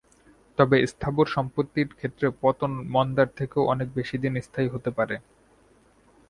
তবে স্থাবর সম্পত্তির ক্ষেত্রে পতন মন্দার থেকেও অনেক বেশি দিন স্থায়ী হতে পারে।